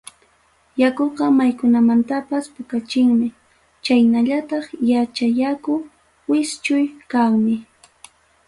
Yakuqa maykunamanpas puqachinmi, chaynallataq qacha yaku wischuy kanmi.